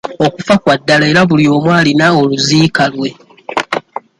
Okufa kwa ddala era buli omu alina oluziika lwe.